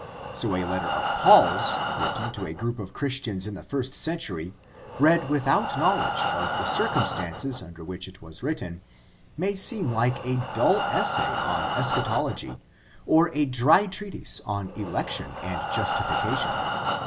So a letter of Paul's, written to a group of Christians in the first century, read without knowledge of the circumstances under which it was written, may seem like a dull essay on eschatology or a dry treatise on election and justification.